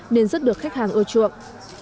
nên rất được khách hàng ưa chuộng